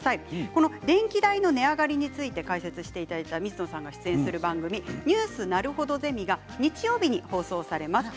この電気代の値上がりについて解説していただいた水野さんが出演する番組「ニュースなるほどゼミ」が日曜日に放送されます。